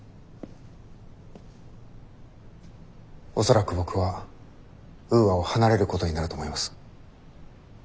恐らく僕はウーアを離れることになると思います。